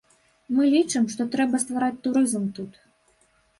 Мы лічым, што трэба ствараць турызм тут.